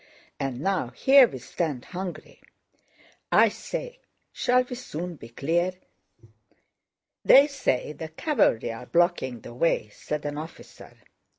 And now here we stand hungry." "I say, shall we soon be clear? They say the cavalry are blocking the way," said an officer.